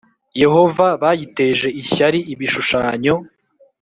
Yehova bayiteje ishyari ibishushanyo